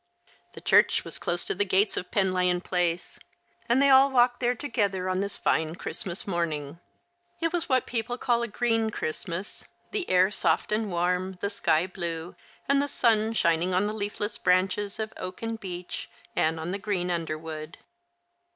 The church was close to the gates of Penlyon Place, and they all walked there together on this fine Christmas morning. It was what people call a green Christmas, tlie air soft and warm, the sky blue, and the sun shining on the leafless branches of oak and beech and on the green underwood.